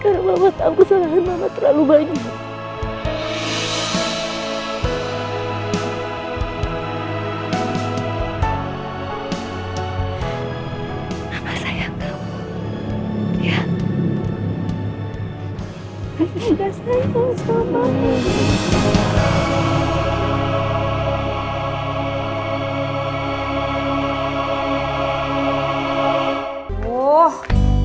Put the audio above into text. karena mama tahu kesalahan mama terlalu banyak